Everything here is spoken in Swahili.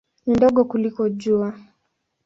Ni ndogo kuliko Jua.